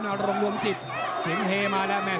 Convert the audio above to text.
ลองลงจิตเสียงเฮมาแล้ว